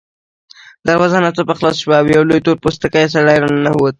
دروازه ناڅاپه خلاصه شوه او یو لوی تور پوستکی سړی راننوت